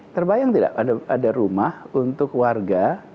terbayang tidak ada rumah untuk warga